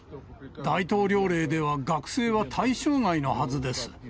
大統領令では学生は対象外のはずです。